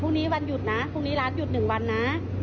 วันหยุดนะพรุ่งนี้ร้านหยุด๑วันนะ